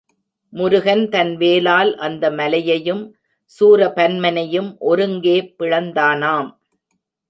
முருகன் தன் வேலால் அந்த மலையையும் சூரபன்மனையும் ஒருங்கே பிளந்தானாம்.